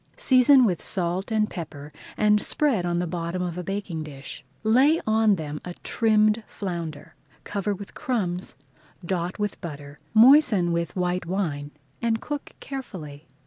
Season with salt and pepper and spread on the bottom of a baking dish. Lay on them a trimmed flounder, cover with crumbs, dot with butter, moisten with white wine, and cook carefully.